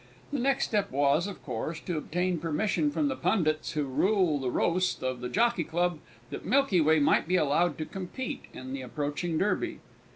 The next step was, of course, to obtain permission from the pundits who rule the roast of the Jockey Club, that Milky Way might be allowed to compete in the approaching Derby.